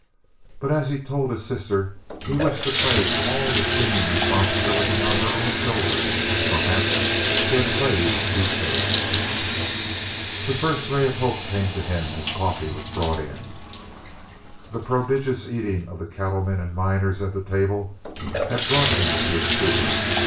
But as he told his sister, he wished to place all the seeming responsibility on her own shoulders. Perhaps he had played too safe. The first ray of hope came to him as coffee was brought in. The prodigious eating of the cattlemen and miners at the table had brought them to a stupor.